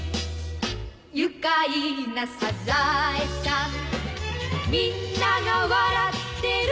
「愉快なサザエさん」「みんなが笑ってる」